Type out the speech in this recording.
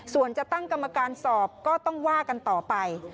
ส่วนจะตั้งกรรมการสอบก็ต้องว่ากันต่อไป